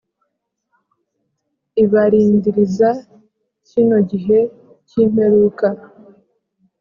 Ibarindiriza kino gihe cyi imperuka